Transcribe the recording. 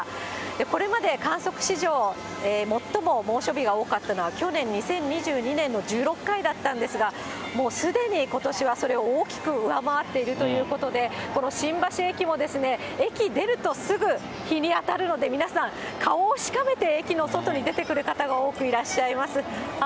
これまで観測史上最も猛暑日が多かったのは去年、２０２２年の１６回だったんですが、もうすでにことしはそれを大きく上回っているということで、この新橋駅も、駅出るとすぐ日に当たるので、皆さん、顔をしかめて駅の外に出てくる方が多くいらっしゃいます。